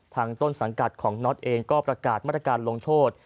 ต้นสังกัดของน็อตเองก็ประกาศมาตรการลงโทษ